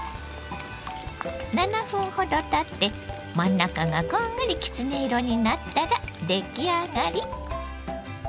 ７分ほどたって真ん中がこんがりきつね色になったら出来上がり。